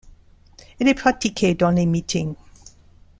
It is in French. Elle est pratiquée dans les meetings.